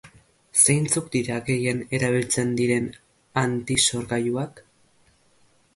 Zeintzuk dira gehien erabiltzen diren antisorgailuak?